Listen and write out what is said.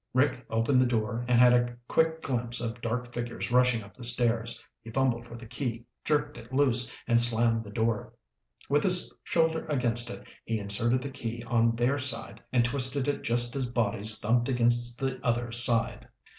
Rick opened the door and had a quick glimpse of dark figures rushing up the stairs. He fumbled for the key, jerked it loose, and slammed the door. With his shoulder against it he inserted the key on their side and twisted it just as bodies thumped against the other side.